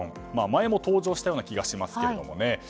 前も登場したような気がしますけれどもね。